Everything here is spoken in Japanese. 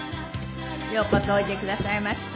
ようこそおいでくださいました。